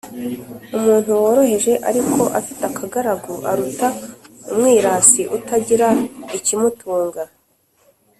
umuntu woroheje ariko afite akagaragu, aruta umwirasi utagira ikimutunga